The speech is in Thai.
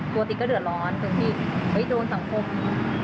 ติ๊กก็เดือดร้อนตรงที่โดนสังคม